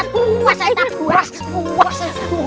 buah buah buah